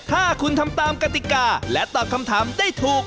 ถ้าคุณทำตามกติกาและตอบคำถามได้ถูก